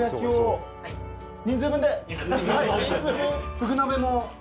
ふぐ鍋も。